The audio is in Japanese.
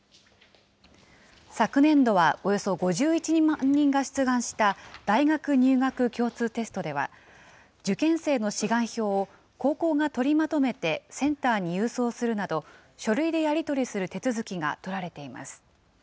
昨年度はおよそ５１万人が出願した大学入学共通テストでは、受験生の志願票を高校が取りまとめてセンターに郵送するなど、書類でやり取りする手続きが取られています。